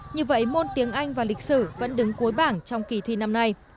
như vậy môn tiếng anh và lịch sử vẫn đứng cuối bảng trong kỳ thi năm nay